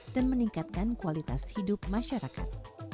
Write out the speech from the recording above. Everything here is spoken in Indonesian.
dan meningkatkan kualitas hidup masyarakat